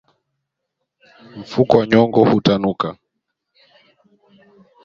Mfuko wa nyongo hutanuka